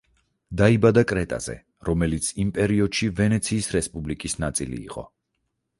დაიბადა კრეტაზე, რომელიც იმ პერიოდში ვენეციის რესპუბლიკის ნაწილი იყო.